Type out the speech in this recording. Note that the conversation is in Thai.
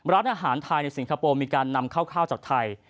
ร้านอาหารไทยในสิงคโปร์มีการนำข้าวจากไทย